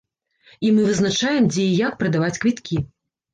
І мы вызначаем, дзе і як прадаваць квіткі.